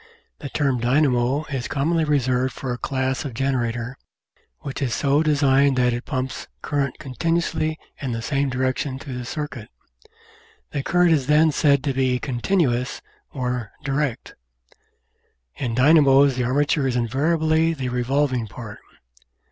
The term dynamo is commonly reserved for a class of generator which is so designed that it pumps current con tinuously in the same direction through the circuit. The current is then said to be "continuous," or "direct." In dynamos the armature is invariably the revolving part.